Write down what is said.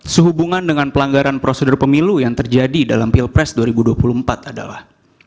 sehubungan dengan pelanggaran prosedur pemilu yang terjadi dalam pilpres dua ribu dua puluh empat adalah